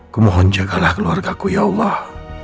kumohon jagalah keluarga ku ya allah